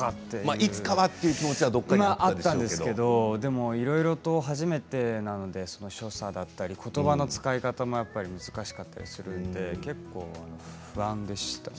いつかはという気持ちはあったんですけどいろいろ初めてなので所作だったりことばの使い方も難しかったりするので結構不安でしたね。